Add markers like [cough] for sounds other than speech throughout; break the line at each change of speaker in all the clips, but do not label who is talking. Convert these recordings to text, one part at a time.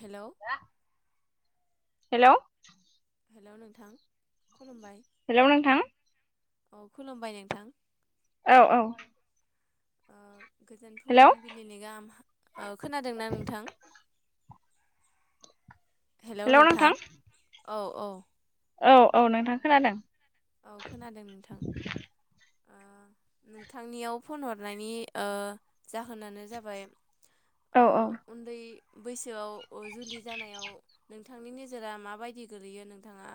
हेल'।
Hello.
Hello नोंथां खुलुमबाय।
Hello नोंथां।
औ खुलुमबाय नोंथां।
औ औ।
ओ गोजोन
हेलौ
फुंबिलिनि गाहाम ओ खोनादोंना नोंथां? हेल' नोंथां। औ औ।
औ औ नोंथां खोनादों।
औ खोनादों नोंथां। ओ नोंथांनियाव फन हरनायनि ओ जाहोनानो जाबाय।
औ
ओ
औ
उन्दै। बैसोआव। अ जुलि जानायाव नों थांनि नोजोरा माबायदि गोलैयो नोंथाङा।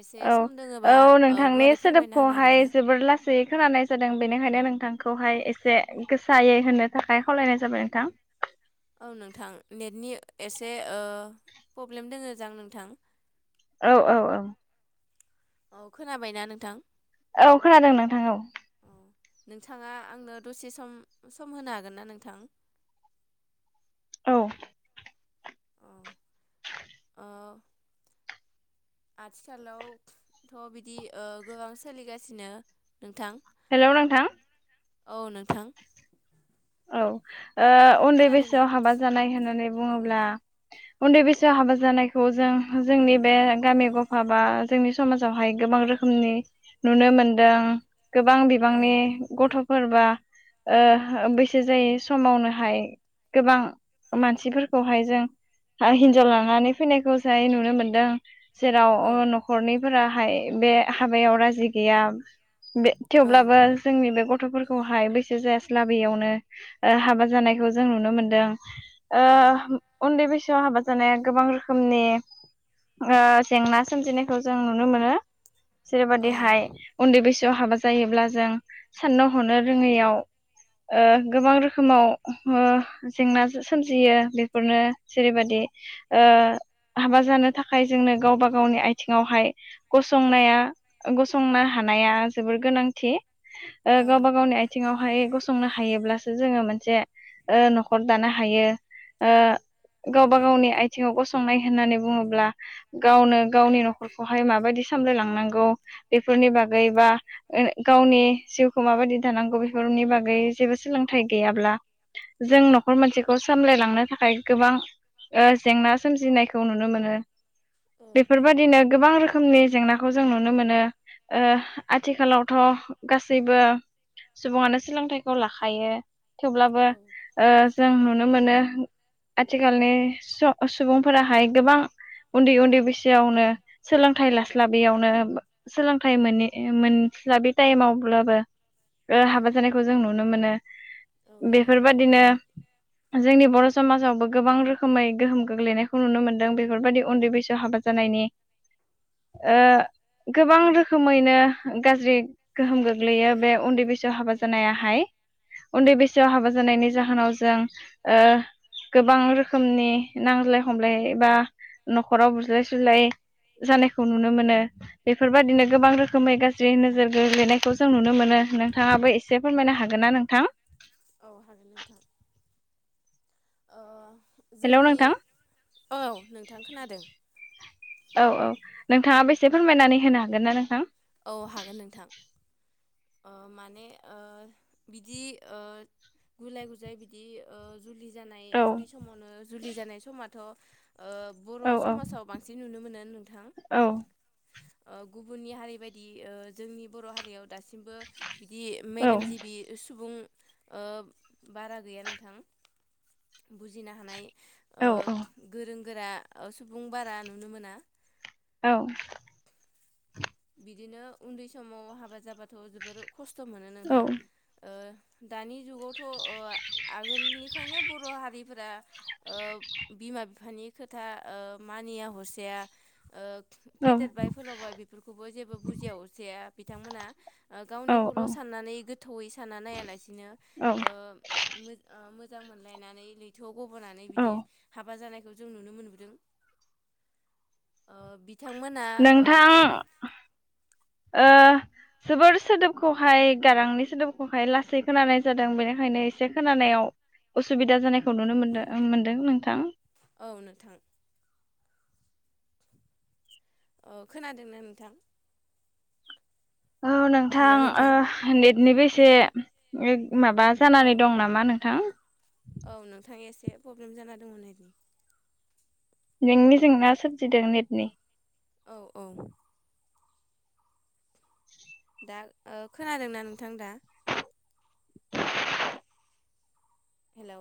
एसे सम दोङोबा।
थांनि
गुवारै फोरमायना होनो हागोन
सोदोबखौहाय
ना
जोबोर लासै खोनानाय जादों बेनो। बेंखायनो नोंथांखौहाय एसे गोसायै होनो थाखाय खावलायनाय जाबाय नोंथां।
औ नोंथां नेटनि एसे ओ फब्लेम दं नोंथां।
औ औ औ।
औ खोनाबायना नोंथां।
औ खोनादों नोंथां औ।
औ नोंथाङा आंनो दसे सम सम होनो हागोन ना नोंथां।
औ।
औ। [unintelligible] आथिखालावथ' बिदि गोबां सोलिगासिनो नोंथां।
हेल' नोंथां।
औ नोंथां।
औ। उन्दै
खोनादोंना
बैसोआव हाबा जानाय होननानै
औ
बुङोब्ला। उन्दै बैसोआव हाबा जानायखौ जों जोंनि बे गामि गफा बा जोंनि समाजावहाय गोबां रोखोमनि नुनो मोनदों गोबां
औ
बिबांनि गथ'फोरबा ओ [unintelligible] बैसो जायै समावनोहाय गोबां मानसिफोरखौ हाय जों हिनजाव लानानै फैनायखौजाय नुनो मोन्दों जेराव
औ
ओ न'खरनि फोराहाय बे हाबायाव राजि गैया बे
औ
थेवब्लाबो जोंनि बे गथ'फोरखौ सहाय बैसो जास्लाबैयावनो हाबा जानायखौ जों नुनो मोनदों। ओ
औ
उन्दै बैसो सिसाव हाबा जानाया गोबां रोखोमनि जेंना सोमजिनायखौ जों नुनो मोनो।
औ
जेरैबाददिहाय उन्दै बेैसो याव हाबा जायोब्ला जों साननो हनो रोंङैयाव गोबां रोखोमाव जेंना सोमजियो बेफोरनो जेरैबि हाबा जानो थाखाय जोंनो गावबा गावनि आथिङावहाय गसंनाया गसंनो हानाया जोबोर गोनांथि ओ
औ
गावबा गाव नि आइथिंआव गसंनो हायोब्लासो जोंङो मोनसे न'खर दानो हायो गावबा गावनि आथिङाव गसंनाय होननानै बुङोब्ला ओ गावनो गावनि न'खरखौहाय माबायदि सामलायलांनांगौ बेफोरनि बागै बा गावनि जिउखौ माबायदि दानांगौ बेफोरनि बागै जेबो सोलों फाथाय गैयाब्ला जों नखर मोनसेखौ सामलायलांनो थाखाय थाखाय गोबां जेंना सोमजिनायखौ नुनो मोनो
औ
बेफोरबायदिनो गोबां रोखोम रोखोमनि जेंनाखौ जों नुनो मोनो आथिखालावथ गासैबो सुंबुङानो सोलोंथाइखौ लाखायो थेवब्लाबो जों नुनो मोनो आथिखालनि सुबुंफोराहाय गोबां उन्दै उन्दै बैसोआवनो सोलोंथाइ लास्लाबैयावनो सोलोंथाइ मोननि मोनस्लाबि टाइमावब्लाबो ओ
औ
हाबा जानायखौ जों नुनो मोनो
औ नंगौ नोंथां
बेफोरबादिनो जोंनि बर' समाजावबो गोबां रोखोमै गोहोम गोग्लैनायखौ नुनो मोनदों बेफोरबायदि उन्दै बैसो हाबा जानायनि गोबां रोखोमैनो गाज्रि गोहोम गोग्लैयो बे उन्दै बैसो हाबा
औ
जानायाहाय
औ
उन्दै बैसोआव हाबा जानायनि जाहोनाव जों गोबां रोखोमनि नांज्लाय खमलाय बा नखराव बुज्लाय सुज्लाय जानायखौ नुनो मोनो
औ
बेफोरबायदिनो गोबां
नंगौ
रोखोमै गाज्रि नोजोर गोगेलैनायखौ जों नुनो मोनो नोंथाङाबो एसे फोरमायनो हागोन नोना नोंथां
औ हारि मोनथाम
हेलौ
जोंनि
नोंथां
औ नोंथां खोनादों
औ औ नोंथाङा बेसे फोरमायनानै होनो हागोन ना नोंथां
औ हागोन नोंथां माने बिदि गुलाय गुजाय बिदि जुलि जानाय
औ
उन्दै समावनो जुलि जानाय समा द' बर'
औ औ
समाजाव बांसिन नुनो मोनो नोंथां
औ
गुबुननि हारि बायदि दि जोंनि बर' हारियाव दासिमबो बिदि
औ
मेलेमजिबि सुबुं बारा गैया नोंथां बुजिनो हानाय ओ
औ औ
गोरों गोरा सुबुं बारा नुनो मोना
औ
बिदिनो उन्दै समाव हाबा जाबाथ' जोबोर खस्थ' मोनो नोंथां दानि जुगावथ' ओ आगोलनिफ्रायनो बर' हारिफोरा ओ बिमा बिफानि खोथा मानिया हसेया ओ फेदेरबाय फोलावबाय बि बेफोरखौबो जेबो बुजि हरसै बिथांमोना
औ
गावनिखौल' साननानै गोथौयै सानना नायालासिनो
औ
ओ मोजां मोनलायनानै लैथोआव गबोनानै
औ
बिदि हाबा जानाय जों नुनो ओ बि बिथांमोना ओ
नोंथां
उन
ओ जोबोर सोदोबखौहाय गारांनि सोदोबखौहाय लासै खोनानाय जादों बेनिखायनो एसे खोनानायाव असुबिदा जानायख खौ नुनो मोनदों नोंथां
औ नोंथां खोनादोंना नोंथां
औ नोंथां ओ नेटनिबो इस से एक माबा
औ
जानानै दं नामा नोंथां
औ नोंथां एसे प्रब्लेम जाना दंमोन
नोंनि जेंना सोमजिदों नेटनि
औ औ दा ओ खोनादोंना नोंथां दा
[inaudible]
हेलौ